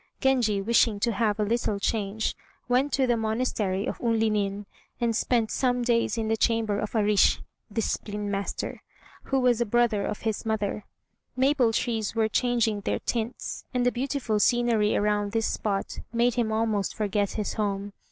Genji, wishing to have a little change, went to the monastery of Unlinin, and spent some days in the chamber of a rissh (discipline master), who was a brother of his mother. Maple trees were changing their tints, and the beautiful scenery around this spot made him almost forget his home.